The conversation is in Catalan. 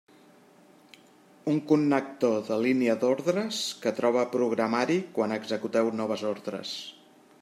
Un connector de línia d'ordres que troba programari quan executeu noves ordres.